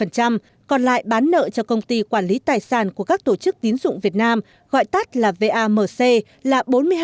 còn lại bán nợ cho công ty quản lý tài sản của các tổ chức tín dụng việt nam gọi tắt là vamc là bốn mươi hai